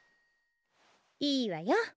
いいわよ。